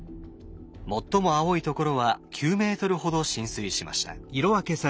最も青いところは９ｍほど浸水しました。